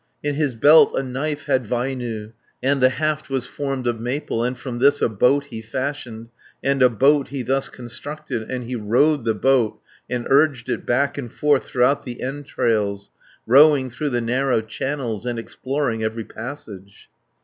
120 In his belt a knife had Väinö, And the haft was formed of maple, And from this a boat he fashioned, And a boat he thus constructed, And he rowed the boat, and urged it Back and forth throughout the entrails, Rowing through the narrow channels, And exploring every passage.